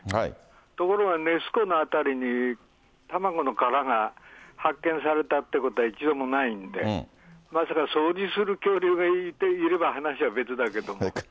ところがネス湖の辺りに、卵の殻が発見されたってことは一度もないんで、まさか掃除する恐竜がいれば話は別だけども。